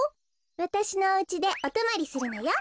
わたしのおうちでおとまりするのよ。